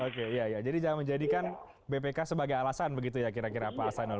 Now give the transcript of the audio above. oke iya ya jadi jangan menjadikan bpk sebagai alasan begitu ya kira kira pak asanul